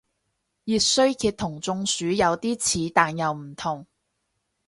熱衰竭同中暑有啲似但又唔同